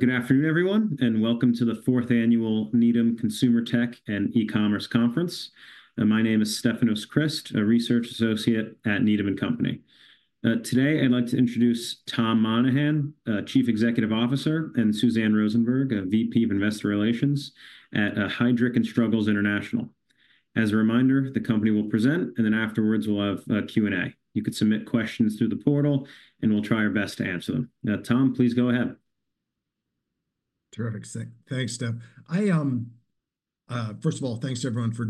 Good afternoon, everyone, and welcome to the fourth annual Needham Consumer Tech and E-Commerce Conference. My name is Stefano Crist, a research associate at Needham & Company. Today, I'd like to introduce Tom Monahan, Chief Executive Officer, and Suzanne Rosenberg, VP of Investor Relations at Heidrick & Struggles International. As a reminder, the company will present, and then afterwards we'll have a Q&A. You could submit questions through the portal, and we'll try our best to answer them. Tom, please go ahead. Terrific. Thanks, Stef. First of all, thanks to everyone for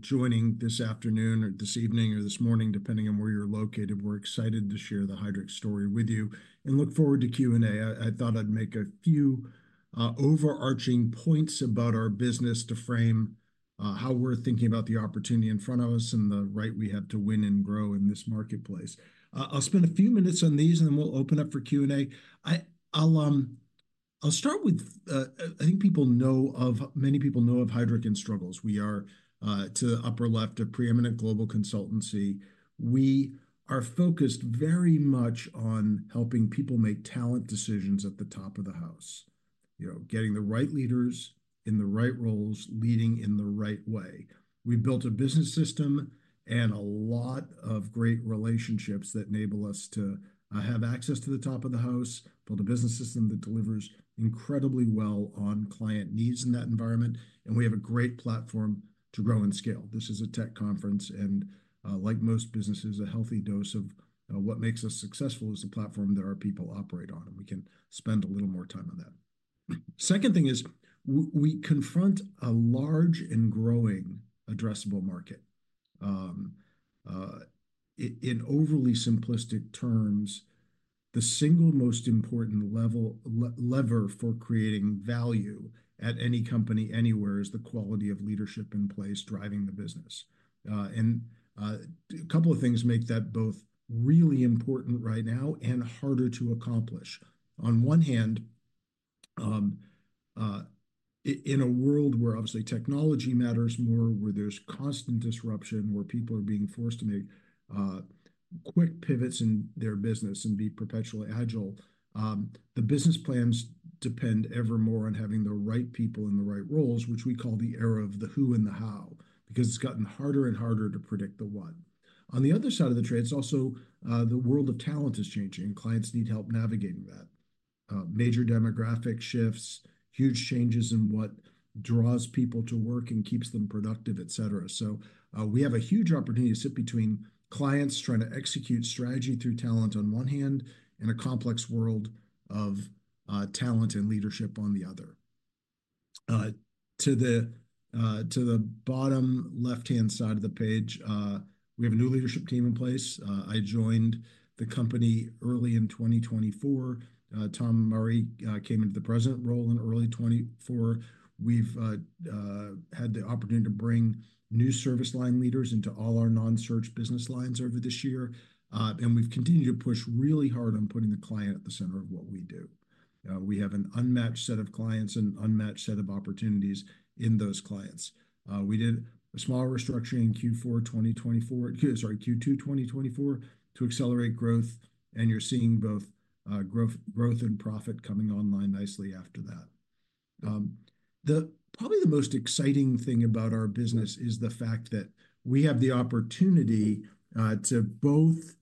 joining this afternoon, or this evening, or this morning, depending on where you're located. We're excited to share the Heidrick story with you and look forward to Q&A. I thought I'd make a few overarching points about our business to frame how we're thinking about the opportunity in front of us and the right we have to win and grow in this marketplace. I'll spend a few minutes on these, and then we'll open up for Q&A. I'll start with, I think people know of, many people know of Heidrick & Struggles. We are, to the upper left, a preeminent global consultancy. We are focused very much on helping people make talent decisions at the top of the house, getting the right leaders in the right roles, leading in the right way. We built a business system and a lot of great relationships that enable us to have access to the top of the house, build a business system that delivers incredibly well on client needs in that environment, and we have a great platform to grow and scale. This is a tech conference, and like most businesses, a healthy dose of what makes us successful is the platform that our people operate on, and we can spend a little more time on that. Second thing is we confront a large and growing addressable market. In overly simplistic terms, the single most important lever for creating value at any company, anywhere, is the quality of leadership in place driving the business, and a couple of things make that both really important right now and harder to accomplish. On one hand, in a world where obviously technology matters more, where there's constant disruption, where people are being forced to make quick pivots in their business and be perpetually agile, the business plans depend ever more on having the right people in the right roles, which we call the era of the who and the how, because it's gotten harder and harder to predict the what. On the other side of the trade, it's also the world of talent is changing, and clients need help navigating that. Major demographic shifts, huge changes in what draws people to work and keeps them productive, et cetera. So we have a huge opportunity to sit between clients trying to execute strategy through talent on one hand and a complex world of talent and leadership on the other. To the bottom left-hand side of the page, we have a new leadership team in place. I joined the company early in 2024. Tom Murray came into the President role in early 2024. We've had the opportunity to bring new service line leaders into all our non-search business lines over this year, and we've continued to push really hard on putting the client at the center of what we do. We have an unmatched set of clients and an unmatched set of opportunities in those clients. We did a small restructuring in Q4 2024, sorry, Q2 2024, to accelerate growth, and you're seeing both growth and profit coming online nicely after that. Probably the most exciting thing about our business is the fact that we have the opportunity to both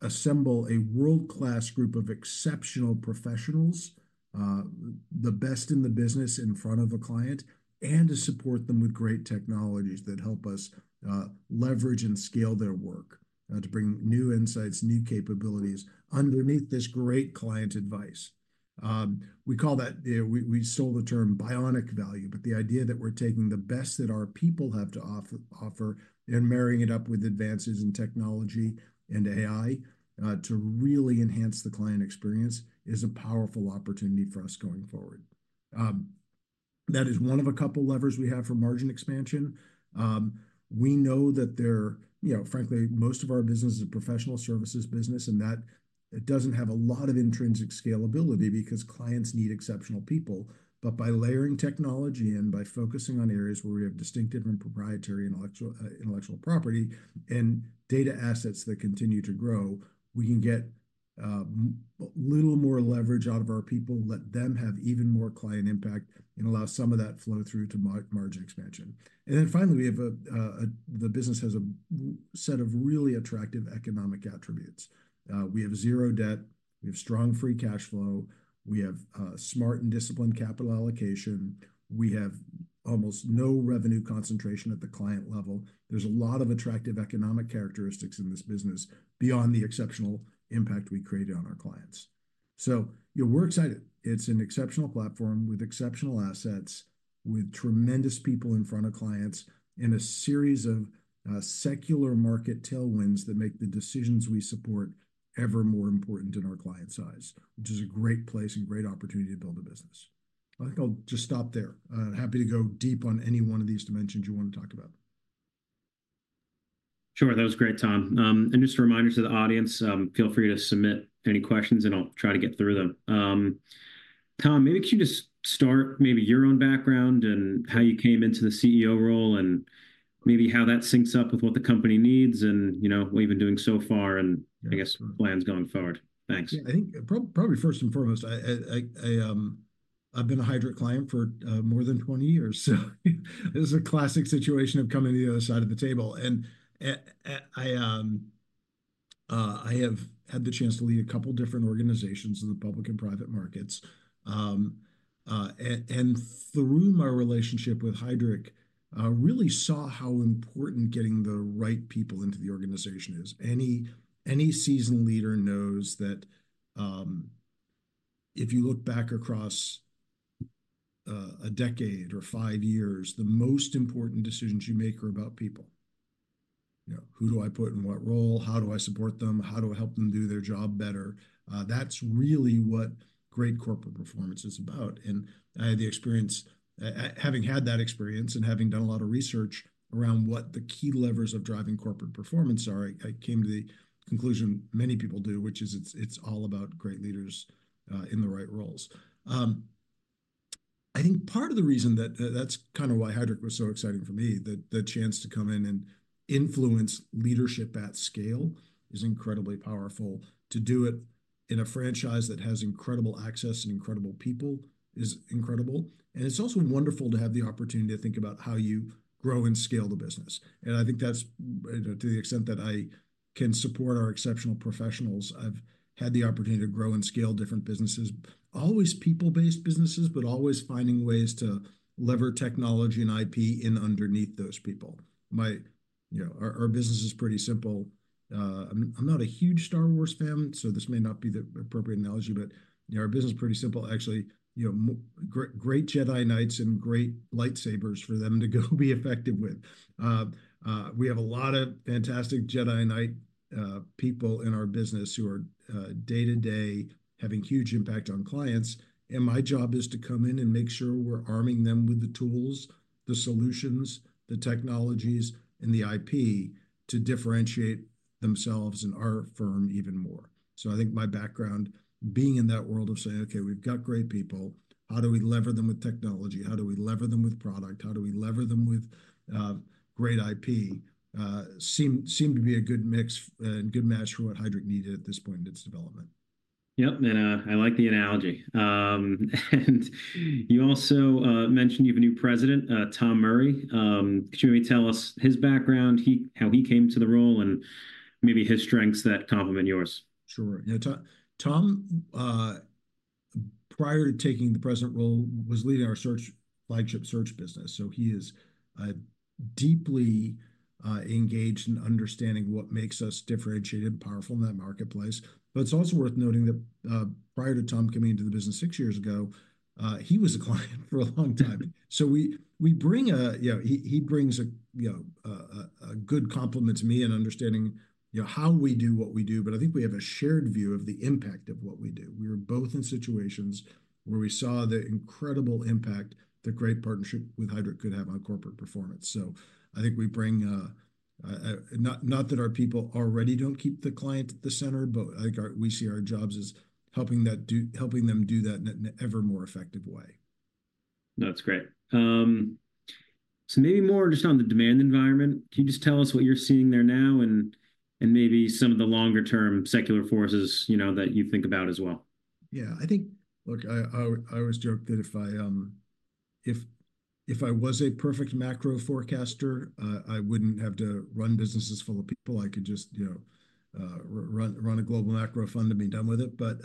assemble a world-class group of exceptional professionals, the best in the business in front of a client, and to support them with great technologies that help us leverage and scale their work to bring new insights, new capabilities underneath this great client advice. We call that, we stole the term bionic value, but the idea that we're taking the best that our people have to offer and marrying it up with advances in technology and AI to really enhance the client experience is a powerful opportunity for us going forward. That is one of a couple levers we have for margin expansion. We know that they're, frankly, most of our business is a professional services business, and that doesn't have a lot of intrinsic scalability because clients need exceptional people. But by layering technology and by focusing on areas where we have distinctive and proprietary intellectual property and data assets that continue to grow, we can get a little more leverage out of our people, let them have even more client impact, and allow some of that flow through to margin expansion. And then finally, the business has a set of really attractive economic attributes. We have zero debt, we have strong free cash flow, we have smart and disciplined capital allocation, we have almost no revenue concentration at the client level. There's a lot of attractive economic characteristics in this business beyond the exceptional impact we created on our clients. So we're excited. It's an exceptional platform with exceptional assets, with tremendous people in front of clients, and a series of secular market tailwinds that make the decisions we support ever more important in our client size, which is a great place and great opportunity to build a business. I think I'll just stop there. Happy to go deep on any one of these dimensions you want to talk about. Sure. That was great, Tom. And just a reminder to the audience, feel free to submit any questions, and I'll try to get through them. Tom, maybe could you just start your own background and how you came into the CEO role and maybe how that syncs up with what the company needs and what you've been doing so far and, I guess, plans going forward? Thanks. Yeah, I think probably first and foremost, I've been a Heidrick client for more than 20 years. So this is a classic situation of coming to the other side of the table. And I have had the chance to lead a couple different organizations in the public and private markets. And through my relationship with Heidrick, I really saw how important getting the right people into the organization is. Any seasoned leader knows that if you look back across a decade or five years, the most important decisions you make are about people. Who do I put in what role? How do I support them? How do I help them do their job better? That's really what great corporate performance is about. And I had the experience, having had that experience and having done a lot of research around what the key levers of driving corporate performance are. I came to the conclusion many people do, which is it's all about great leaders in the right roles. I think part of the reason that that's kind of why Heidrick was so exciting for me, the chance to come in and influence leadership at scale is incredibly powerful. To do it in a franchise that has incredible access and incredible people is incredible. And it's also wonderful to have the opportunity to think about how you grow and scale the business. And I think that's to the extent that I can support our exceptional professionals. I've had the opportunity to grow and scale different businesses, always people-based businesses, but always finding ways to leverage technology and IP in underneath those people. Our business is pretty simple. I'm not a huge Star Wars fan, so this may not be the appropriate analogy, but our business is pretty simple. Actually, great Jedi Knights and great lightsabers for them to go be effective with. We have a lot of fantastic Jedi Knight people in our business who are day-to-day having huge impact on clients. And my job is to come in and make sure we're arming them with the tools, the solutions, the technologies, and the IP to differentiate themselves and our firm even more. So I think my background being in that world of saying, "Okay, we've got great people. How do we lever them with technology? How do we lever them with product? How do we lever them with great IP?" seem to be a good mix and good match for what Heidrick needed at this point in its development. Yep. I like the analogy. You also mentioned you have a new president, Tom Murray. Could you maybe tell us his background, how he came to the role, and maybe his strengths that complement yours? Sure. Tom, prior to taking the President role, was leading our flagship search business. So he is deeply engaged in understanding what makes us differentiated and powerful in that marketplace. But it's also worth noting that prior to Tom coming into the business six years ago, he was a client for a long time. So he brings a good complement to me in understanding how we do what we do, but I think we have a shared view of the impact of what we do. We were both in situations where we saw the incredible impact that great partnership with Heidrick could have on corporate performance. So I think we bring not that our people already don't keep the client at the center, but I think we see our jobs as helping them do that in an ever more effective way. That's great. So maybe more just on the demand environment, can you just tell us what you're seeing there now and maybe some of the longer-term secular forces that you think about as well? Yeah. I think, look, I always joke that if I was a perfect macro forecaster, I wouldn't have to run businesses full of people. I could just run a global macro fund and be done with it. But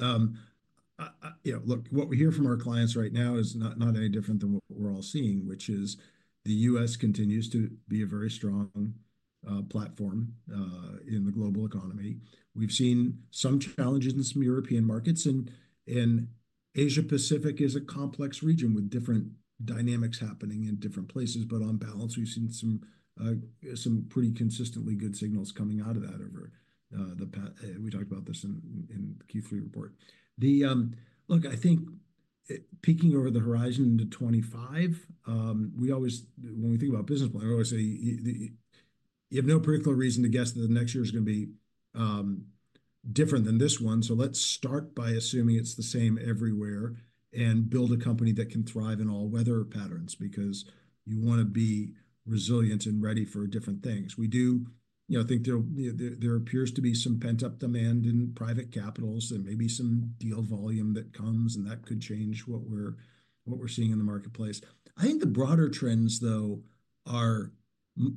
look, what we hear from our clients right now is not any different than what we're all seeing, which is the U.S. continues to be a very strong platform in the global economy. We've seen some challenges in some European markets, and Asia-Pacific is a complex region with different dynamics happening in different places. But on balance, we've seen some pretty consistently good signals coming out of that over the past. We talked about this in the Q3 report. Look, I think peeking over the horizon into 2025, when we think about business plan, we always say you have no particular reason to guess that the next year is going to be different than this one. So let's start by assuming it's the same everywhere and build a company that can thrive in all weather patterns because you want to be resilient and ready for different things. We do think there appears to be some pent-up demand in private capitals and maybe some deal volume that comes, and that could change what we're seeing in the marketplace. I think the broader trends, though, are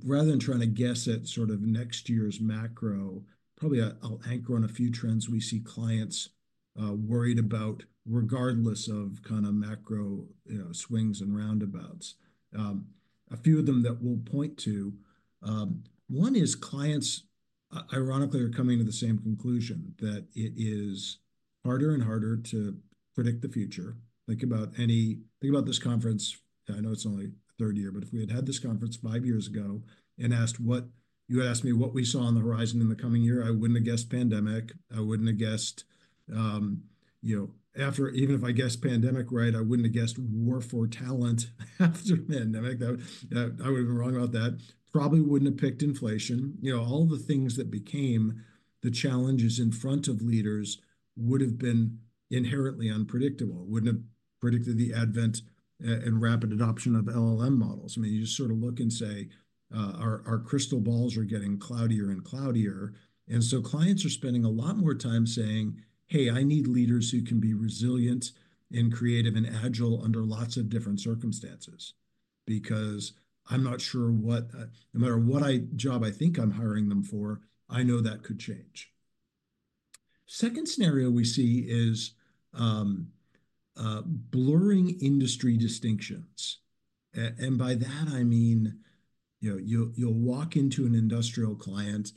rather than trying to guess at sort of next year's macro, probably I'll anchor on a few trends we see clients worried about regardless of kind of macro swings and roundabouts. A few of them that we'll point to. One is clients, ironically, are coming to the same conclusion that it is harder and harder to predict the future. Think about this conference. I know it's only the third year, but if we had had this conference five years ago and asked what you had asked me what we saw on the horizon in the coming year, I wouldn't have guessed pandemic. I wouldn't have guessed after even if I guessed pandemic right. I wouldn't have guessed war for talent after pandemic. I would have been wrong about that. Probably wouldn't have picked inflation. All the things that became the challenges in front of leaders would have been inherently unpredictable. Wouldn't have predicted the advent and rapid adoption of LLM models. I mean, you just sort of look and say our crystal balls are getting cloudier and cloudier. And so clients are spending a lot more time saying, "Hey, I need leaders who can be resilient and creative and agile under lots of different circumstances because I'm not sure what no matter what job I think I'm hiring them for, I know that could change." Second scenario we see is blurring industry distinctions. And by that, I mean you'll walk into an industrial client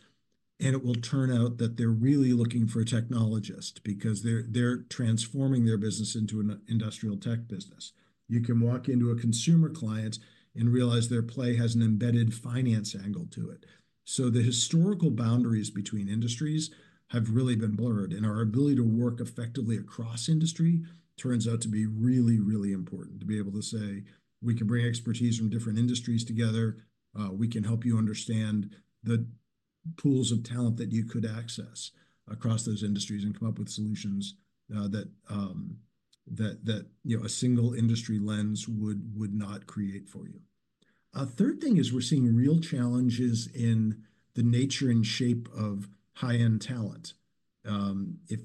and it will turn out that they're really looking for a technologist because they're transforming their business into an industrial tech business. You can walk into a consumer client and realize their play has an embedded finance angle to it. So the historical boundaries between industries have really been blurred, and our ability to work effectively across industry turns out to be really, really important to be able to say, "We can bring expertise from different industries together. We can help you understand the pools of talent that you could access across those industries and come up with solutions that a single industry lens would not create for you." A third thing is we're seeing real challenges in the nature and shape of high-end talent. If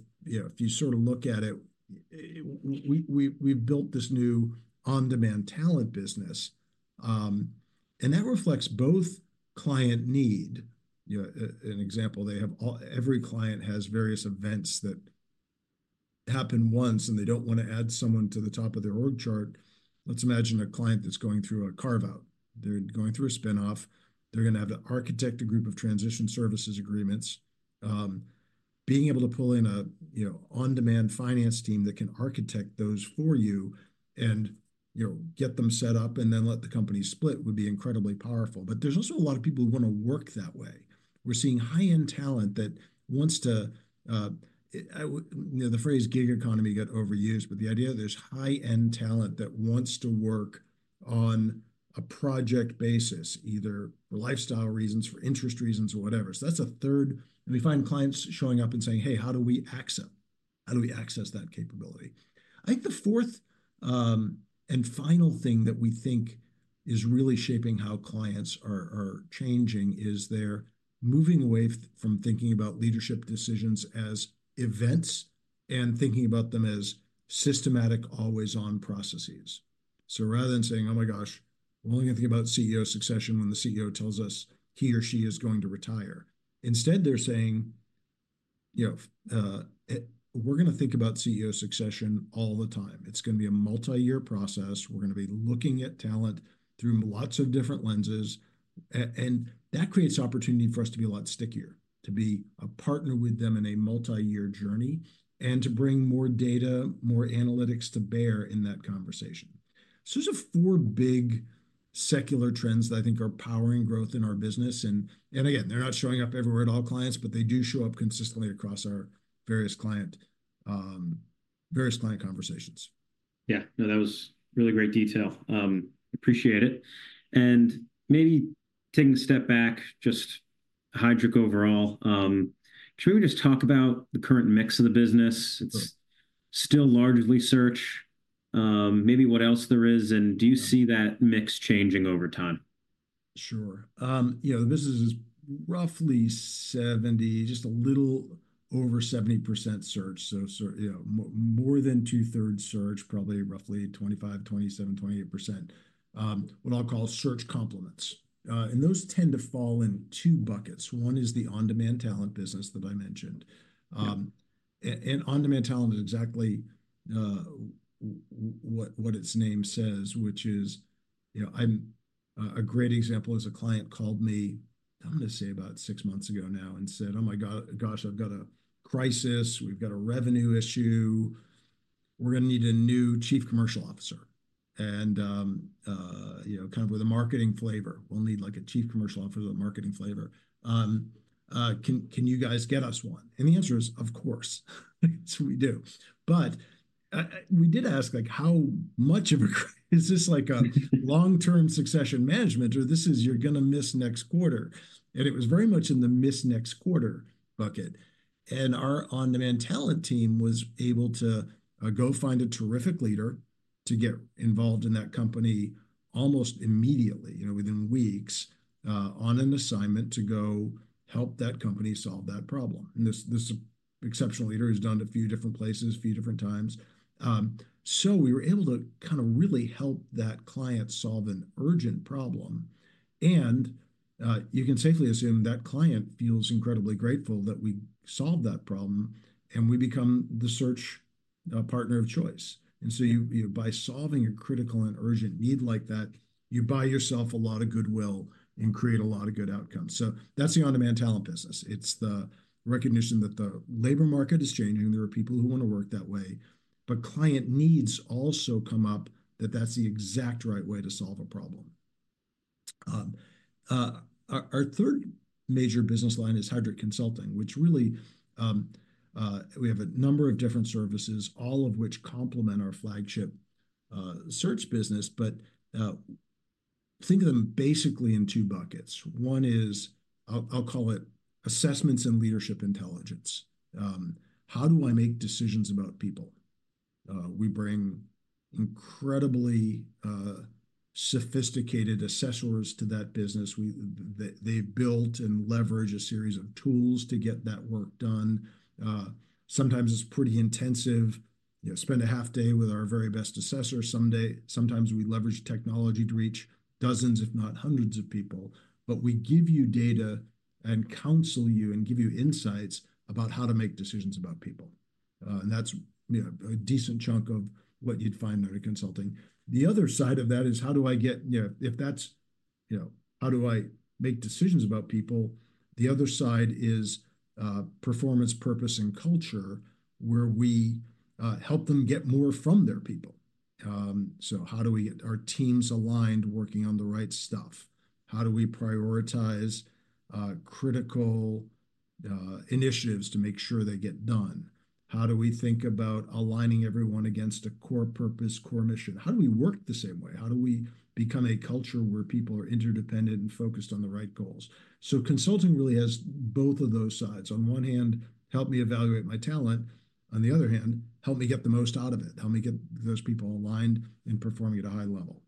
you sort of look at it, we've built this new on-demand talent business, and that reflects both client need. An example, every client has various events that happen once, and they don't want to add someone to the top of their org chart. Let's imagine a client that's going through a carve-out. They're going through a spinoff. They're going to have to architect a group of transition services agreements. Being able to pull in an on-demand finance team that can architect those for you and get them set up and then let the company split would be incredibly powerful. But there's also a lot of people who want to work that way. We're seeing high-end talent that wants to, the phrase "gig economy" got overused, but the idea there's high-end talent that wants to work on a project basis, either for lifestyle reasons, for interest reasons, or whatever. So that's a third. And we find clients showing up and saying, "Hey, how do we access that capability?" I think the fourth and final thing that we think is really shaping how clients are changing is they're moving away from thinking about leadership decisions as events and thinking about them as systematic, always-on processes. So rather than saying, "Oh my gosh, we're only going to think about CEO succession when the CEO tells us he or she is going to retire," instead, they're saying, "We're going to think about CEO succession all the time. It's going to be a multi-year process. We're going to be looking at talent through lots of different lenses," and that creates opportunity for us to be a lot stickier, to be a partner with them in a multi-year journey, and to bring more data, more analytics to bear in that conversation, so those are four big secular trends that I think are powering growth in our business, and again, they're not showing up everywhere at all, clients, but they do show up consistently across our various client conversations. Yeah. No, that was really great detail. Appreciate it. And maybe taking a step back, just Heidrick overall, can we just talk about the current mix of the business? It's still largely search. Maybe what else there is, and do you see that mix changing over time? Sure. The business is roughly 70%, just a little over 70% search. So more than two-thirds search, probably roughly 25%-28%, what I'll call search complements. And those tend to fall in two buckets. One is the on-demand talent business that I mentioned. And on-demand talent is exactly what its name says, which is a great example is a client called me, I'm going to say about six months ago now, and said, "Oh my gosh, I've got a crisis. We've got a revenue issue. We're going to need a new Chief Commercial Officer." And kind of with a marketing flavor, "We'll need a Chief Commercial Officer with a marketing flavor. Can you guys get us one?" And the answer is, "Of course." So we do. But we did ask, "How much of a crisis? Is this like a long-term succession management, or this is you're going to miss next quarter?" And it was very much in the miss next quarter bucket. And our On-Demand Talent team was able to go find a terrific leader to get involved in that company almost immediately, within weeks, on an assignment to go help that company solve that problem. And this exceptional leader has done it a few different places, a few different times. So we were able to kind of really help that client solve an urgent problem. And you can safely assume that client feels incredibly grateful that we solved that problem, and we become the search partner of choice. And so by solving a critical and urgent need like that, you buy yourself a lot of goodwill and create a lot of good outcomes. So that's the On-Demand Talent business. It's the recognition that the labor market is changing. There are people who want to work that way. But client needs also come up that that's the exact right way to solve a problem. Our third major business line is Heidrick Consulting, which really we have a number of different services, all of which complement our flagship search business. But think of them basically in two buckets. One is I'll call it assessments and leadership intelligence. How do I make decisions about people? We bring incredibly sophisticated assessors to that business. They build and leverage a series of tools to get that work done. Sometimes it's pretty intensive. Spend a half day with our very best assessor. Sometimes we leverage technology to reach dozens, if not hundreds of people. But we give you data and counsel you and give you insights about how to make decisions about people. That's a decent chunk of what you'd find in Heidrick Consulting. The other side of that is how do I make decisions about people? The other side is performance, purpose, and culture, where we help them get more from their people. So how do we get our teams aligned, working on the right stuff? How do we prioritize critical initiatives to make sure they get done? How do we think about aligning everyone against a core purpose, core mission? How do we work the same way? How do we become a culture where people are interdependent and focused on the right goals? So consulting really has both of those sides. On one hand, help me evaluate my talent. On the other hand, help me get the most out of it. Help me get those people aligned and performing at a high level.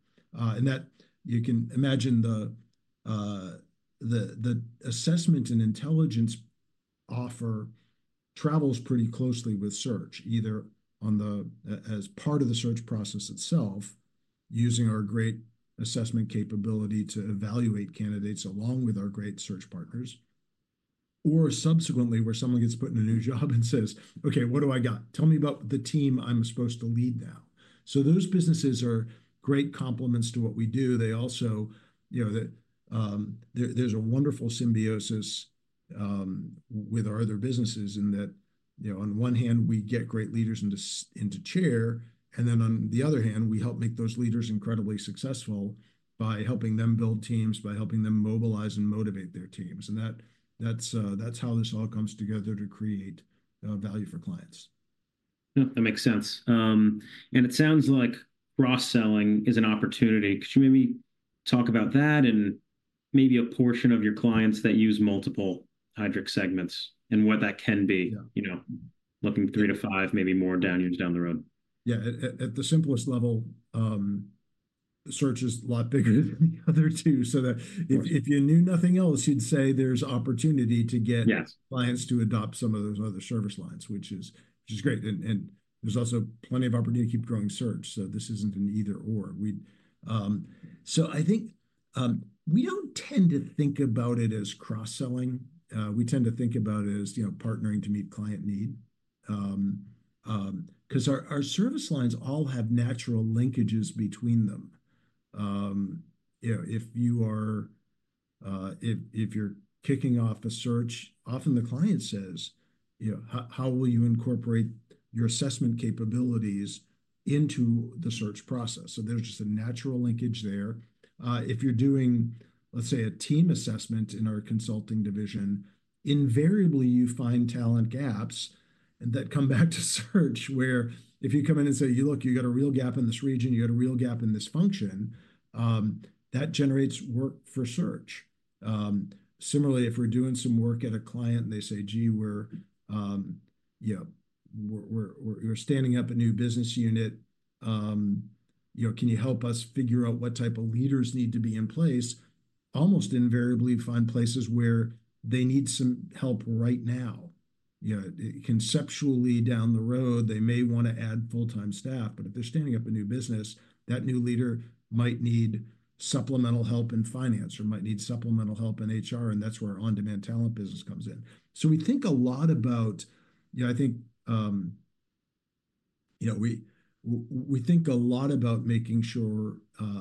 You can imagine the assessment and intelligence offer travels pretty closely with search, either as part of the search process itself, using our great assessment capability to evaluate candidates along with our great search partners, or subsequently where someone gets put in a new job and says, "Okay, what do I got? Tell me about the team I'm supposed to lead now." So those businesses are great complements to what we do. There's a wonderful symbiosis with our other businesses in that on one hand, we get great leaders into chair, and then on the other hand, we help make those leaders incredibly successful by helping them build teams, by helping them mobilize and motivate their teams. And that's how this all comes together to create value for clients. That makes sense, and it sounds like cross-selling is an opportunity. Could you maybe talk about that and maybe a portion of your clients that use multiple Heidrick segments and what that can be, looking three to five, maybe more, years down the road? Yeah. At the simplest level, search is a lot bigger than the other two. So if you knew nothing else, you'd say there's opportunity to get clients to adopt some of those other service lines, which is great. And there's also plenty of opportunity to keep growing search. So this isn't an either/or. So I think we don't tend to think about it as cross-selling. We tend to think about it as partnering to meet client need because our service lines all have natural linkages between them. If you're kicking off a search, often the client says, "How will you incorporate your assessment capabilities into the search process?" So there's just a natural linkage there. If you're doing, let's say, a team assessment in our consulting division, invariably you find talent gaps that come back to search, where if you come in and say, "Look, you got a real gap in this region. You got a real gap in this function," that generates work for search. Similarly, if we're doing some work at a client and they say, "Gee, we're standing up a new business unit. Can you help us figure out what type of leaders need to be in place?" Almost invariably, you find places where they need some help right now. Conceptually, down the road, they may want to add full-time staff. But if they're standing up a new business, that new leader might need supplemental help in finance or might need supplemental help in HR. And that's where our On-Demand Talent business comes in. So we think a lot about making sure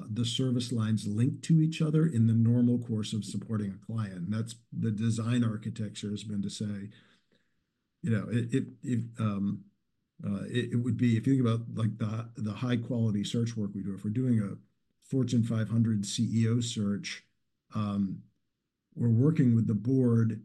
the service lines link to each other in the normal course of supporting a client. And that's the design architecture has been to say it would be if you think about the high-quality search work we do. If we're doing a Fortune 500 CEO search, we're working with the board.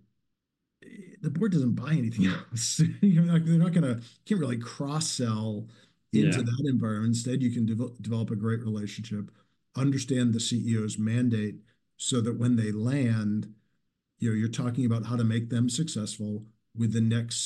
The board doesn't buy anything else. They're not going to. You can't really cross-sell into that environment. Instead, you can develop a great relationship, understand the CEO's mandate so that when they land, you're talking about how to make them successful with the next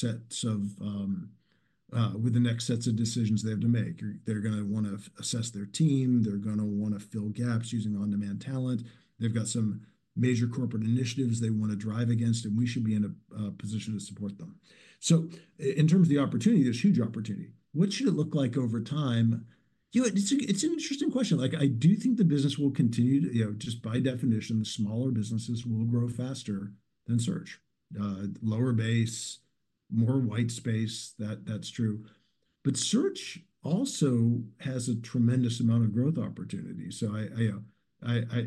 sets of decisions they have to make. They're going to want to assess their team. They're going to want to fill gaps using on-demand talent. They've got some major corporate initiatives they want to drive against, and we should be in a position to support them. So in terms of the opportunity, there's huge opportunity. What should it look like over time? It's an interesting question. I do think the business will continue. Just by definition, smaller businesses will grow faster than search. Lower base, more white space, that's true. But search also has a tremendous amount of growth opportunity. So I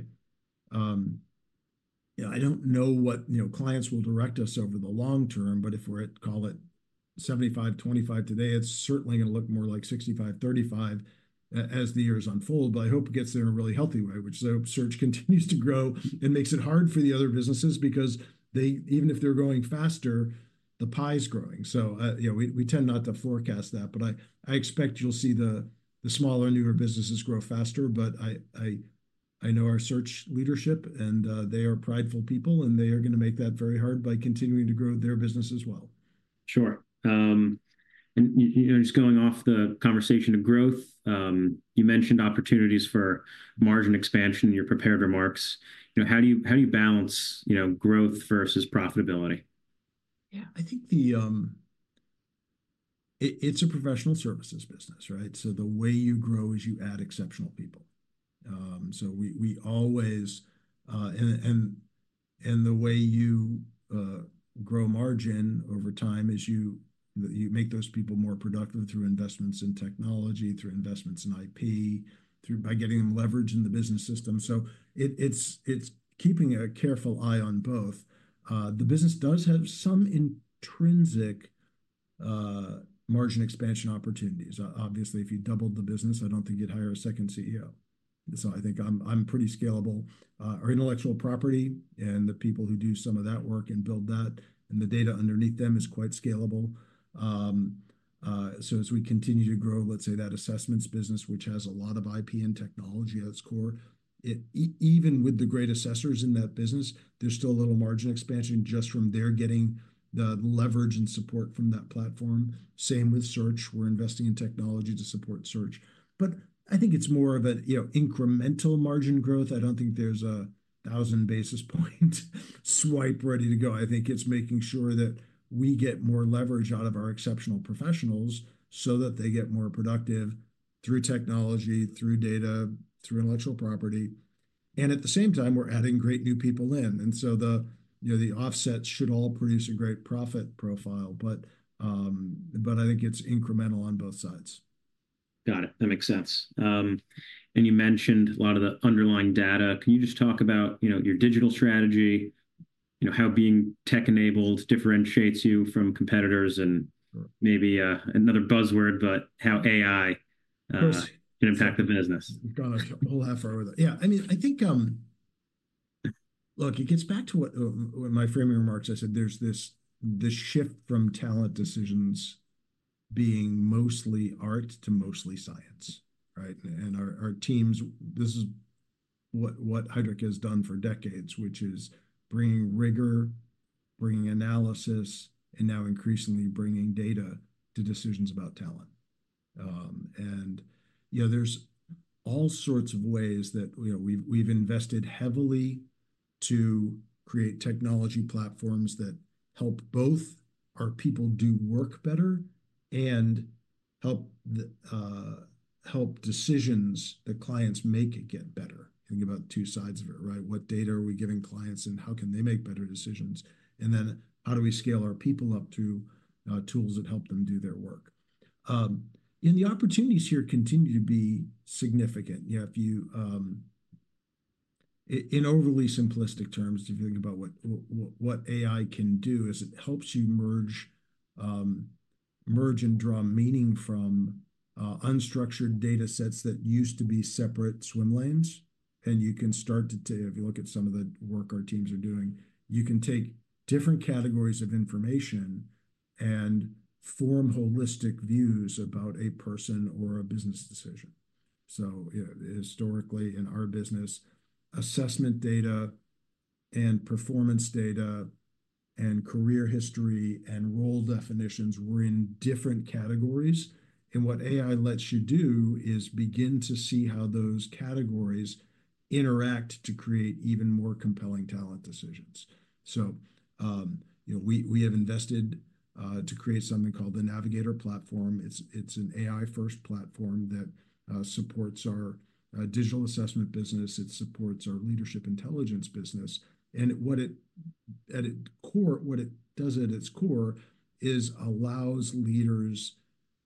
don't know what clients will direct us over the long term, but if we're at, call it, 75, 25 today, it's certainly going to look more like 65, 35 as the years unfold. But I hope it gets there in a really healthy way, which is I hope search continues to grow and makes it hard for the other businesses because even if they're going faster, the pie is growing. So we tend not to forecast that. But I expect you'll see the smaller, newer businesses grow faster. But I know our search leadership, and they are prideful people, and they are going to make that very hard by continuing to grow their business as well. Sure. And just going off the conversation of growth, you mentioned opportunities for margin expansion in your prepared remarks. How do you balance growth versus profitability? Yeah. I think it's a professional services business, right? So the way you grow is you add exceptional people. So we always, and the way you grow margin over time is you make those people more productive through investments in technology, through investments in IP, by getting them leveraged in the business system. So it's keeping a careful eye on both. The business does have some intrinsic margin expansion opportunities. Obviously, if you doubled the business, I don't think you'd hire a second CEO. So I think I'm pretty scalable. Our intellectual property and the people who do some of that work and build that and the data underneath them is quite scalable. As we continue to grow, let's say that assessments business, which has a lot of IP and technology at its core, even with the great assessors in that business, there's still a little margin expansion just from their getting the leverage and support from that platform. Same with search. We're investing in technology to support search. But I think it's more of an incremental margin growth. I don't think there's 1,000 basis points swipe ready to go. I think it's making sure that we get more leverage out of our exceptional professionals so that they get more productive through technology, through data, through intellectual property. And at the same time, we're adding great new people in. And so the offsets should all produce a great profit profile. But I think it's incremental on both sides. Got it. That makes sense. And you mentioned a lot of the underlying data. Can you just talk about your digital strategy, how being tech-enabled differentiates you from competitors and maybe another buzzword, but how AI can impact the business? We'll have forever. Yeah. I mean, I think, look, it gets back to what my framing remarks I said. There's this shift from talent decisions being mostly art to mostly science, right? And our teams, this is what Heidrick has done for decades, which is bringing rigor, bringing analysis, and now increasingly bringing data to decisions about talent. And there's all sorts of ways that we've invested heavily to create technology platforms that help both our people do work better and help decisions that clients make get better. Think about two sides of it, right? What data are we giving clients, and how can they make better decisions? And then how do we scale our people up to tools that help them do their work? And the opportunities here continue to be significant. In overly simplistic terms, if you think about what AI can do, it helps you merge and draw meaning from unstructured data sets that used to be separate swim lanes, and you can start to, if you look at some of the work our teams are doing, you can take different categories of information and form holistic views about a person or a business decision, so historically, in our business, assessment data and performance data and career history and role definitions were in different categories, and what AI lets you do is begin to see how those categories interact to create even more compelling talent decisions, so we have invested to create something called the Navigator Platform. It's an AI-first platform that supports our digital assessment business. It supports our leadership intelligence business. And at its core, what it does at its core is allows leaders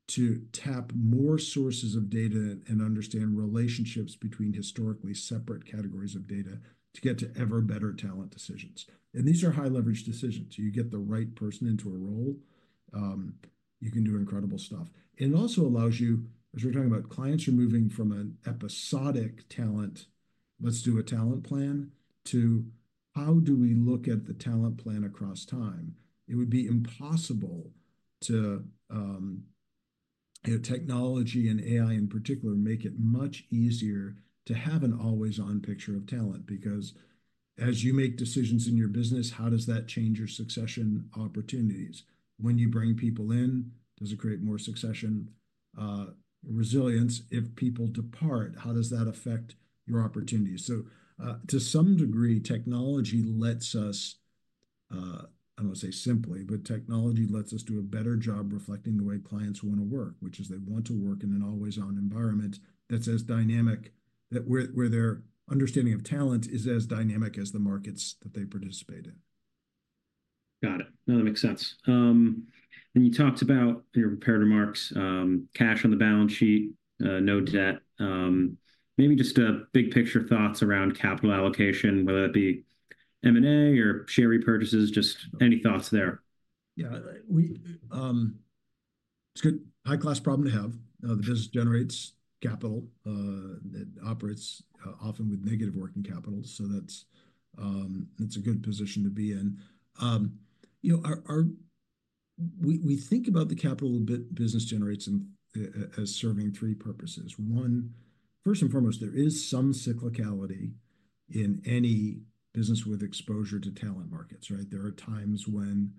to tap more sources of data and understand relationships between historically separate categories of data to get to ever better talent decisions. And these are high-leverage decisions. You get the right person into a role. You can do incredible stuff. And it also allows you, as we're talking about, clients are moving from an episodic talent, let's do a talent plan, to how do we look at the talent plan across time? It would be impossible to technology and AI in particular make it much easier to have an always-on picture of talent because as you make decisions in your business, how does that change your succession opportunities? When you bring people in, does it create more succession resilience? If people depart, how does that affect your opportunities? To some degree, technology lets us, I don't want to say simply, but technology lets us do a better job reflecting the way clients want to work, which is they want to work in an always-on environment that's as dynamic where their understanding of talent is as dynamic as the markets that they participate in. Got it. No, that makes sense. And you talked about in your prepared remarks, cash on the balance sheet, no debt. Maybe just big picture thoughts around capital allocation, whether that be M&A or share repurchases, just any thoughts there? Yeah. It's a good high-class problem to have. The business generates capital. It operates often with negative working capital. So that's a good position to be in. We think about the capital that the business generates as serving three purposes. One, first and foremost, there is some cyclicality in any business with exposure to talent markets, right? There are times when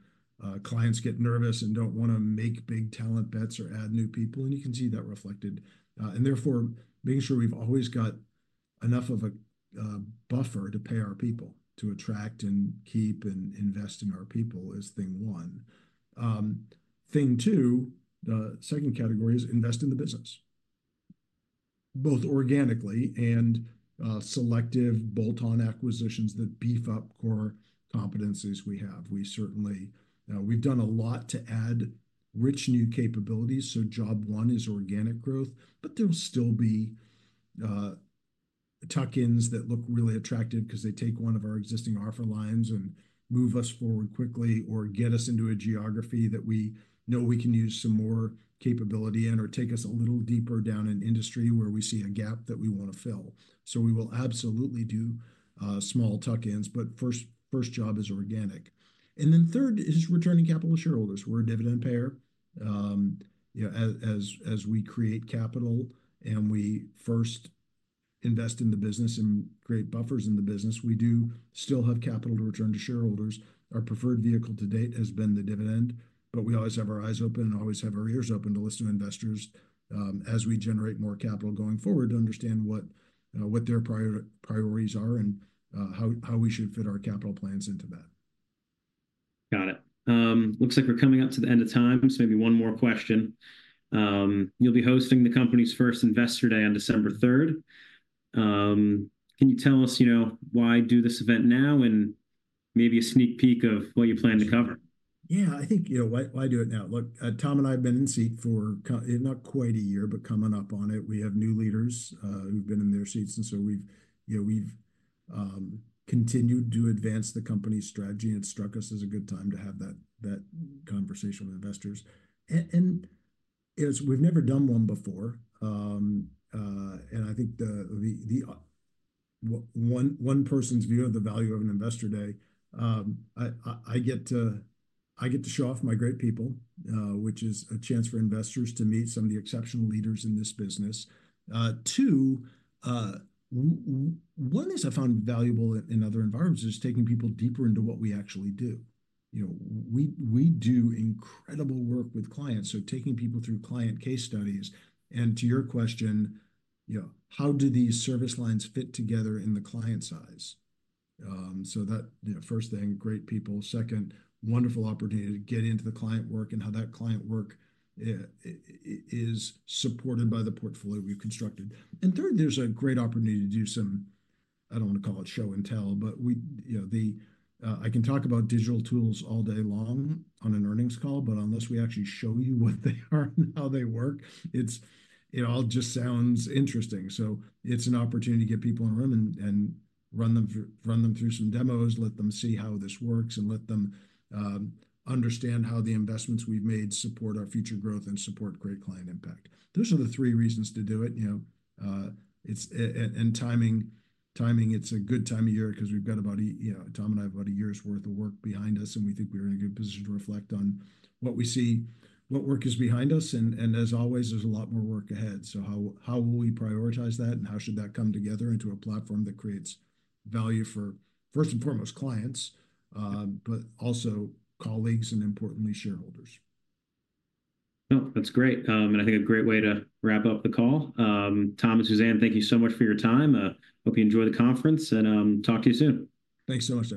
clients get nervous and don't want to make big talent bets or add new people. And you can see that reflected. And therefore, making sure we've always got enough of a buffer to pay our people to attract and keep and invest in our people is thing one. Thing two, the second category is invest in the business, both organically and selective bolt-on acquisitions that beef up core competencies we have. We've done a lot to add rich new capabilities. So job one is organic growth, but there'll still be tuck-ins that look really attractive because they take one of our existing offer lines and move us forward quickly or get us into a geography that we know we can use some more capability in or take us a little deeper down an industry where we see a gap that we want to fill. So we will absolutely do small tuck-ins, but first job is organic. And then third is returning capital to shareholders. We're a dividend payer. As we create capital and we first invest in the business and create buffers in the business, we do still have capital to return to shareholders. Our preferred vehicle to date has been the dividend, but we always have our eyes open and always have our ears open to listen to investors as we generate more capital going forward to understand what their priorities are and how we should fit our capital plans into that. Got it. Looks like we're coming up to the end of time. So maybe one more question. You'll be hosting the company's first Investor Day on December 3rd. Can you tell us why do this event now and maybe a sneak peek of what you plan to cover? Yeah. I think why do it now? Look, Tom and I have been in seat for not quite a year, but coming up on it. We have new leaders who've been in their seats. And so we've continued to advance the company's strategy, and it struck us as a good time to have that conversation with investors. And we've never done one before. And I think one person's view of the value of an Investor Day, I get to show off my great people, which is a chance for investors to meet some of the exceptional leaders in this business. Two, one is I found valuable in other environments is taking people deeper into what we actually do. We do incredible work with clients. So taking people through client case studies. And to your question, how do these service lines fit together in the client's eyes? So, that first thing, great people. Second, wonderful opportunity to get into the client work and how that client work is supported by the portfolio we've constructed. And third, there's a great opportunity to do some. I don't want to call it show and tell, but I can talk about digital tools all day long on an earnings call, but unless we actually show you what they are and how they work, it all just sounds interesting. So it's an opportunity to get people in a room and run them through some demos, let them see how this works, and let them understand how the investments we've made support our future growth and support great client impact. Those are the three reasons to do it. Timing, it's a good time of year because we've got about, Tom and I, about a year's worth of work behind us, and we think we're in a good position to reflect on what we see, what work is behind us. As always, there's a lot more work ahead. How will we prioritize that, and how should that come together into a platform that creates value for, first and foremost, clients, but also colleagues and, importantly, shareholders? No, that's great, and I think a great way to wrap up the call. Tom and Suzanne, thank you so much for your time. Hope you enjoy the conference, and talk to you soon. Thanks so much.